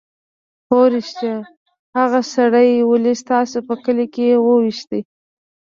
_هو رښتيا! هغه سړی يې ولې ستاسو په کلي کې وويشت؟